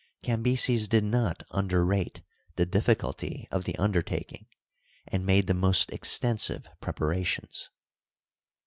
Cambyses did not underrate the difficulty of the imdertaking, and made the most extensive preparations.